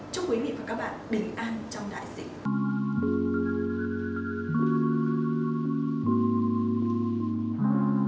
chúc quý vị và các bạn đến an trong đại dịch